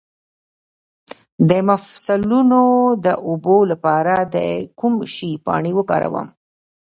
د مفصلونو د اوبو لپاره د کوم شي پاڼې وکاروم؟